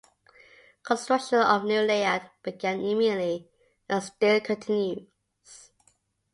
Construction of a new layout began immediately, and still continues.